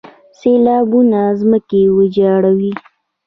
سیلابونه ځمکې ویجاړوي.